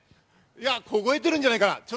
凍えてるんじゃないかな。